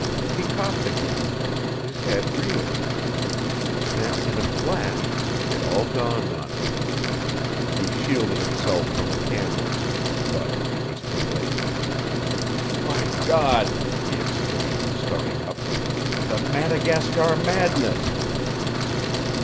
He coughed again. His head reeled. Then, in a flash, it all dawned on him. He shielded himself from the candles. But it was too late. "My God!" he exclaimed, starting up. "The Madagascar madness!"